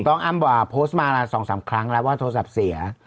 อ้ำโพสต์มา๒๓ครั้งแล้วว่าโทรศัพท์เสีย